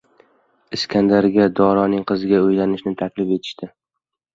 Iskandarga Doroning qiziga uylanishni taklif etishdi.